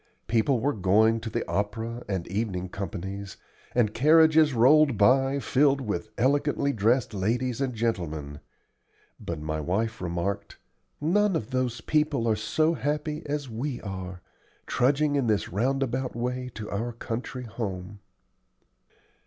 People were going to the opera and evening companies, and carriages rolled by, filled with elegantly dressed ladies and gentlemen; but my wife remarked, "None of those people are so happy as we are, trudging in this roundabout way to our country home."